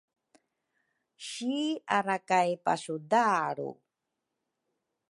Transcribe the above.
si arakay pasudalru